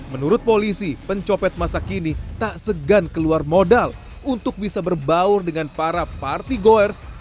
menurut polisi pencopet masa kini tak segan keluar modal untuk bisa berbaur dengan para party goers